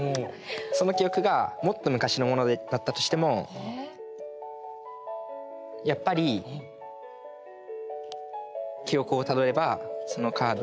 その記憶がもっと昔のものだったとしてもやっぱり記憶をたどればそのカードを。